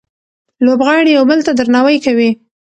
لوبغاړي یو بل ته درناوی کوي.